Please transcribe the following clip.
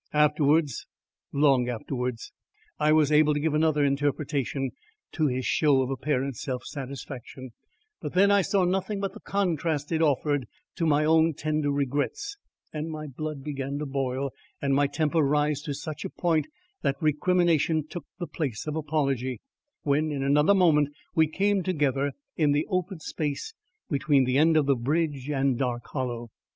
Afterwards, long afterwards, I was able to give another interpretation to his show of apparent self satisfaction, but then I saw nothing but the contrast it offered to my own tender regrets, and my blood began to boil and my temper rise to such a point that recrimination took the place of apology when in another moment we came together in the open space between the end of the bridge and Dark Hollow.